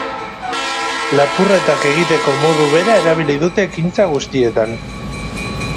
Lapurretak egiteko modu bera erabili dute ekintza guztietan.